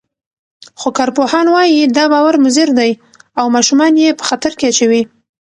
خو کارپوهان وايي، دا باور مضر دی او ماشومان یې په خطر کې اچوي.